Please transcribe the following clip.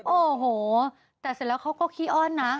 โอ้โหแต่เสร็จแล้วเขาก็ขี้อ้อนนะ